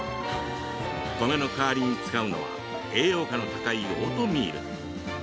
米の代わりに使うのは栄養価の高いオートミール。